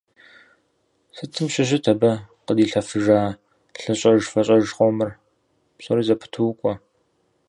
Сытым щыщыт абы къыдилъэфыжа лъыщӏэж-фэщӏэж къомыр… Псори зэпыту укӏуэ.